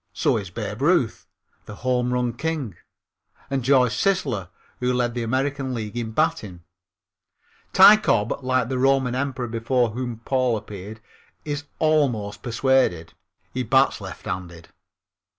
So is Babe Ruth, the home run king, and George Sisler, who led the American League in batting. Ty Cobb, like the Roman emperor before whom Paul appeared, is almost persuaded. He bats lefthanded.